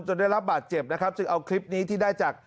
ได้รับบาดเจ็บนะครับจึงเอาคลิปนี้ที่ได้จาก